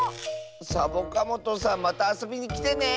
サボカもとさんまたあそびにきてね！